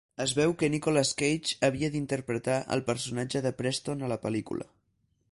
Es veu que Nicolas Cage havia d'interpretar el personatge de Preston a la pel·lícula.